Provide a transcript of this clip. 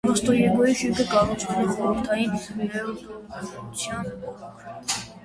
«Ռոստովէներգոյի» շենքը կառուցվել է խորհրդային նեոդասականության ոգով։